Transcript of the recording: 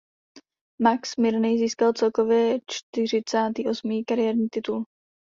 Max Mirnyj získal celkově čtyřicátý osmý kariérní titul.